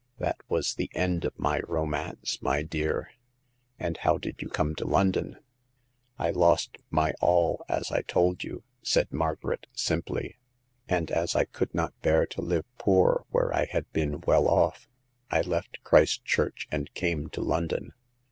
That was the end of my romance, my dear." "And how did you come to London ?"" I lost my all, as I told you," said Margaret, simply ; "and, as I could not bear to live poor where I had been well off, I left Christchurch and came to London.